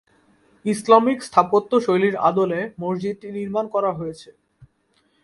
Islamic স্থাপত্য শৈলীর আদলে মসজিদটি নির্মাণ করা হয়েছে।